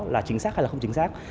là chính xác hay là không chính xác